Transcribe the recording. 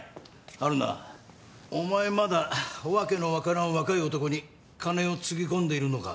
春菜お前まだ訳の分からん若い男に金をつぎ込んでいるのか。